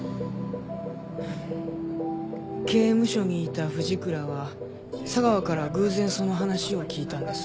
刑務所にいた藤倉は佐川から偶然その話を聞いたんです。